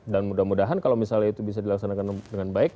dan mudah mudahan kalau misalnya itu bisa dilaksanakan dengan bisa